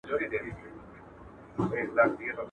کوزه په درې پلا ماتېږي.